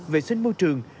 vệ sinh môi trường